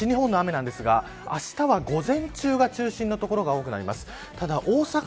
西日本の雨なんですがあしたは午前中が中心の所が多くなります。